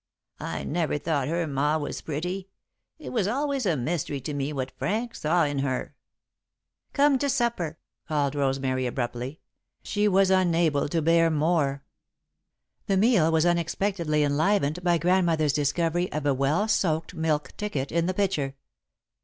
"I never thought her ma was pretty. It was always a mystery to me what Frank saw in her." "Come to supper," called Rosemary, abruptly. She was unable to bear more. The meal was unexpectedly enlivened by Grandmother's discovery of a well soaked milk ticket in the pitcher.